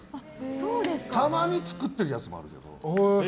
たまに作ってるやつもあるけど。